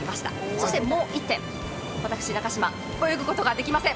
そしてもう１点、私、中島、泳ぐことができません。